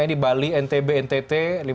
ini bali ntb ntt lima puluh lima